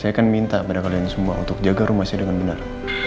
saya akan minta pada kalian semua untuk jaga rumah saya dengan benar